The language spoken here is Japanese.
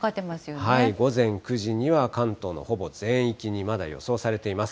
午前９時には関東のほぼ全域にまだ予想されています。